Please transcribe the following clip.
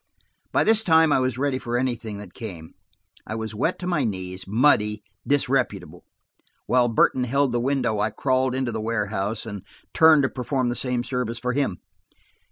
By this time I was ready for anything that came; I was wet to my knees, muddy, disreputable. While Burton held the window I crawled into the warehouse, and turned to perform the same service for him.